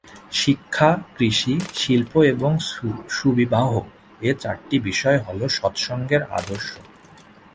শিক্ষা, কৃষি, শিল্প এবং সুবিবাহ- এ চারটি বিষয় হলো সৎসঙ্গের আদর্শ।